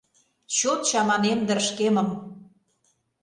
Чот чаманем дыр шкемым